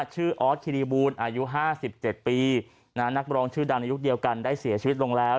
ออสคิริบูลอายุ๕๗ปีนักร้องชื่อดังในยุคเดียวกันได้เสียชีวิตลงแล้ว